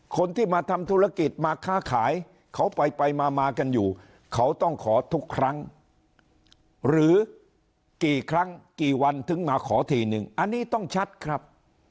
คนที่มาทำธุรกิจมาค้าขายเขาไปไปมากันอยู่เขาต้องขอทุกครั้งหรือกี่ครั้งกี่วันถึงมาขอทีนึงอันนี้ต้องชัดครับ